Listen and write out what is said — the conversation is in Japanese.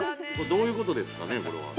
どういうことですかね、これは。